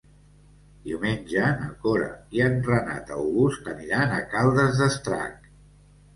Diumenge na Cora i en Renat August aniran a Caldes d'Estrac.